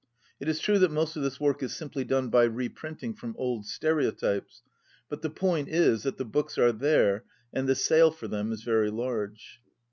It is true that most of this work is simply done by reprinting from old stereotypes, but the point is that the books are there, and the sale for them is very large.